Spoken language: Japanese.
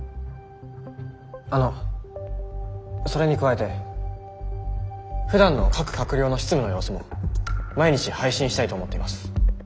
あのそれに加えてふだんの各官僚の執務の様子も毎日配信したいと思っています。